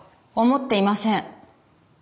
思っていません。